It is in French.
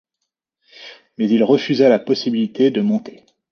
Mais il refusa la possibilité de monter.